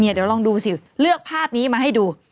เดี๋ยวลองดูสิเลือกภาพนี้มาให้ดู